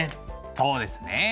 そうですね。